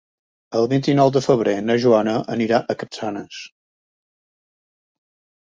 El vint-i-nou de febrer na Joana anirà a Capçanes.